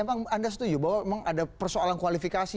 memang anda setuju bahwa memang ada persoalan kualifikasi